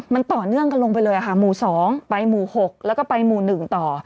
มันต่อเนื่องกันลงไปเลยค่ะหมู่๒ไปหมู่๖แล้วก็ไปหมู่๑ต่อ